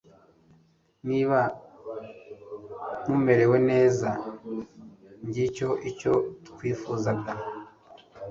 niba mumerewe neza, ngicyo icyo twifuzaga